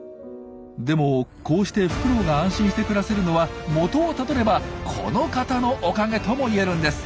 でもこうしてフクロウが安心して暮らせるのは元をたどればこの方のおかげとも言えるんです。